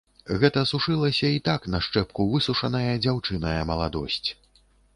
Гэта сушылася й так на шчэпку высушаная дзяўчыніна маладосць.